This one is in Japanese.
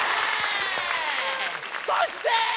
そして！